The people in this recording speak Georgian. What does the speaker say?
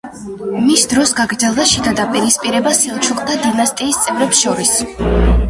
მის დროს გაგრძელდა შიდა დაპირისპირება სელჩუკთა დინასტიის წევრებს შორის.